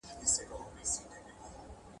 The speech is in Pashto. بهرنۍ پالیسي د هیواد د ملي ارزښتونو ښکارندویي کوي.